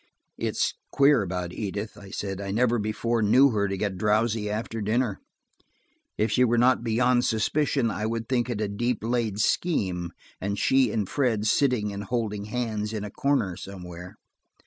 "It's queer about Edith," I said, "I never before knew her to get drowsy after dinner. If she were not beyond suspicion, I would think it a deep laid scheme, and she and Fred sitting and holding hands in a corner somewhere."